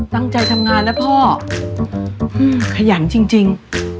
ตั้งใจทำงานนะพ่ออืมขยังจริงจริง